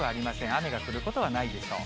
雨が降ることはないでしょう。